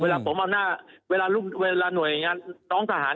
เวลาผมอำนาจเวลาหน่วยงานน้องทหาร